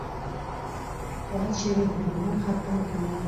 افراز شوی هورمون خپګان کموي.